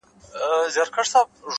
عاجزي د لویوالي ښکلی تاج دی؛